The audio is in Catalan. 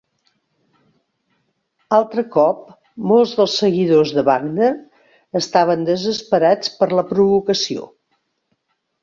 Altre cop, molts dels seguidors de Wagner estaven desesperats per la provocació.